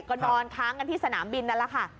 ก็นอนค้างกันที่สนามบินนั่นแหละค่ะ